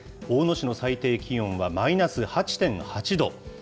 大野市の最低気温はマイナス８．８度。